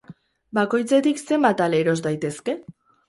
Bakoitzetik zenbat ale eros daitezke?